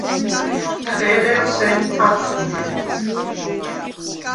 თხე̄რე̄ლ სემი ჩვადშგუდე.